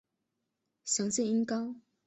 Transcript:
详见音高。